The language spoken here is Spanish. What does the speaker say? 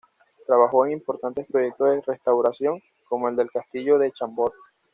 Trabajó en importantes proyectos de restauración, como el del castillo de Chambord.